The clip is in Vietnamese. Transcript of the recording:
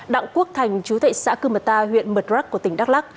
đặng quốc thành chú thị xã cư mật ta huyện mật rắc của tỉnh đắk lắc